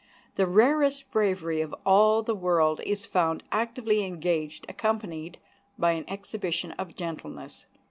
The rarest bravery of all in the world is found actively engaged accompanied by an exhibition of gentleness.